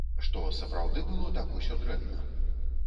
Што, сапраўды, было так усё дрэнна?